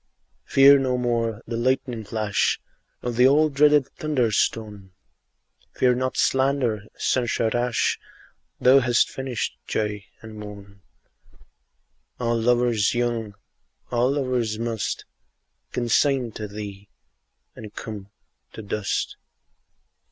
Fear no more the lightning flash Nor the all dreaded thunder stone; Fear not slander, censure rash; Thou hast finished joy and moan: All lovers young, all lovers must Consign to thee, and come to dust.